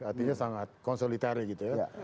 artinya sangat konsolidari gitu ya